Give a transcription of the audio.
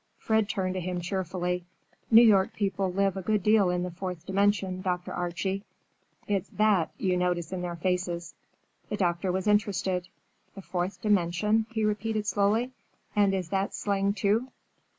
Fred turned to him cheerfully. "New York people live a good deal in the fourth dimension, Dr. Archie. It's that you notice in their faces." The doctor was interested. "The fourth dimension," he repeated slowly; "and is that slang, too?"